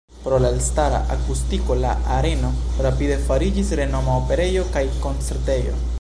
Pro la elstara akustiko la areno rapide fariĝis renoma operejo kaj koncertejo.